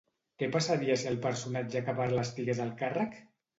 Què passaria si el personatge que parla estigués al càrrec?